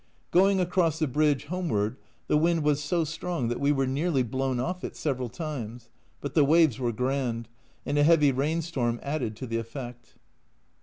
Going across the bridge homeward the wind was so strong that we were nearly blown off it several times, but the waves were grand, and a heavy rainstorm added to the effect.